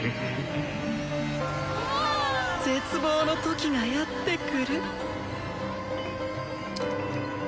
絶望の時がやって来る。